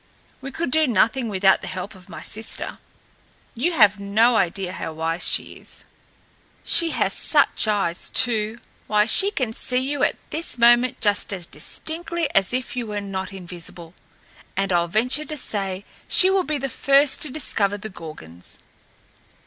We could do nothing without the help of my sister. You have no idea how wise she is. She has such eyes, too! Why, she can see you at this moment just as distinctly as if you were not invisible, and I'll venture to say she will be the first to discover the Gorgons."